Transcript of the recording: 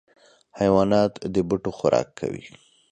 حیوانات د بوټو خوراک کوي.